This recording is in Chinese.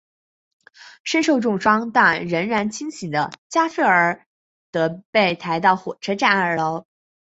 身受重伤但仍然清醒的加菲尔德被抬到火车站二楼。